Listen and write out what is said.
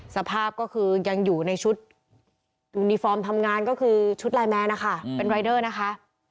สภาพก็คือยังอยู่ในชุดยูนิฟอร์มทำงานก็คือชุดไลน์แมนนะคะเป็นรายเดอร์นะคะ